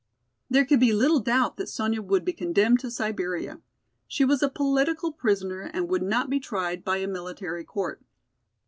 There could be little doubt that Sonya would be condemned to Siberia. She was a political prisoner and would not be tried by a military court.